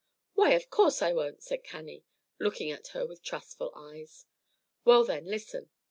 "Why, of course I won't," said Cannie, looking at her with trustful eyes. "Well then, listen!